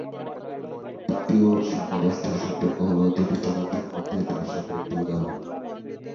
তাপীয় সাম্যাবস্থার সম্পর্ক হল দুটি পদার্থের মধ্যে ভারসাম্যের একটি উদাহরণ।